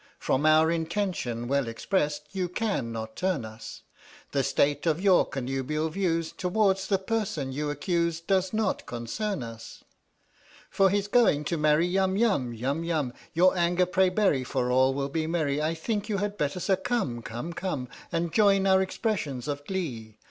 From our intention well expressed You cannot turn us, The state of your connubial views Towards the person you accuse Does not concern us! For he's going to marry Yum Yum Yum Yum! Your anger pray bury For all will be merry, I think you had better succumb cumb cumb, And join our expressions of glee.